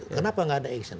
kenapa nggak ada action